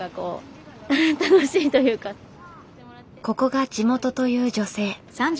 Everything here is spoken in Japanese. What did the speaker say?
ここが地元という女性。